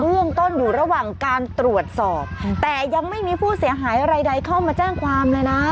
เรื่องต้นอยู่ระหว่างการตรวจสอบแต่ยังไม่มีผู้เสียหายอะไรใดเข้ามาแจ้งความเลยนะ